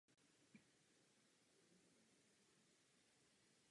Jeho otec byl obdivovatelem Sovětského svazu.